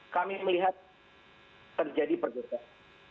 kami melihat terjadi pergegasan